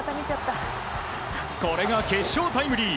これが決勝タイムリー。